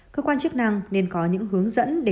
cơ quan chức năng nên có những hướng dẫn để người dân biết